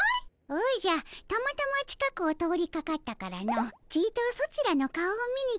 おじゃたまたま近くを通りかかったからのちとソチらの顔を見に来たのじゃ。